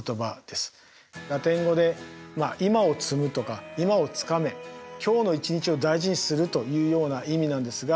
ラテン語で「今を積む」とか「今をつかめ」「今日の一日を大事にする」というような意味なんですが。